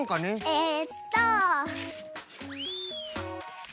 えっと。